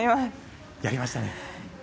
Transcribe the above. やりましたね。